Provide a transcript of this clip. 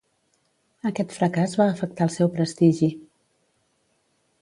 Aquest fracàs va afectar el seu prestigi.